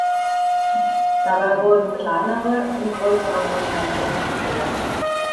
Dabei wurden kleinere in größere Monumente integriert.